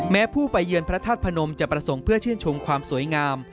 ผู้ไปเยือนพระธาตุพนมจะประสงค์เพื่อชื่นชมความสวยงาม